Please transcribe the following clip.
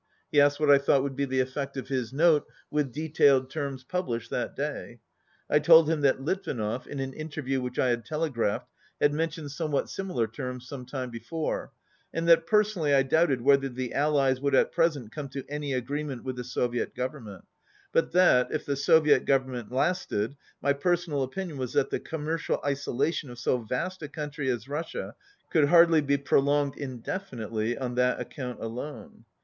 He asked what I thought would be the effect of his Note with detailed terms pub lished that day. I told him that Litvinov, in an interview which I had telegraphed, had mentioned somewhat similar terms some time before, and that personally I doubted whether the Allies would at present come to any agreement with the Soviet Government, but that, if the Soviet Government lasted, my personal opinion was that the commer cial isolation of so vast a country as Russia could hardly be prolonged indefinitely on that account alone.